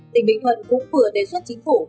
tỉnh bình thuận cũng vừa đề xuất chính phủ